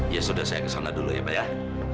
iya sudah saya ke sana dulu ya pak